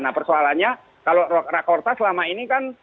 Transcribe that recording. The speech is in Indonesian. nah persoalannya kalau rakorta selama ini kan